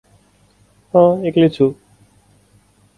अँ एक्लै छु।